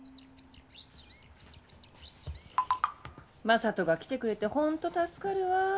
正門が来てくれて本当助かるわ。